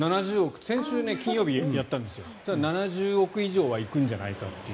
先週金曜日やったら７０億以上は行くんじゃないかって。